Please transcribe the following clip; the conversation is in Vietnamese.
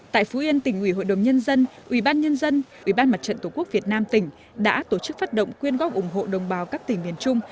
tại phú yên tỉnh ủy hội đồng nhân dân ủy ban nhân dân ủy ban mặt trận tổ quốc việt nam tỉnh đã tổ chức phát động quyên góp ủng hộ đồng bào các tỉnh miền trung